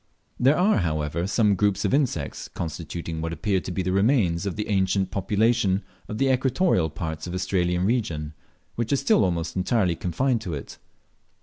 There are, however, some groups of insects, constituting what appear to be the remains of the ancient population of the equatorial parts of the Australian region, which are still almost entirely confined to it.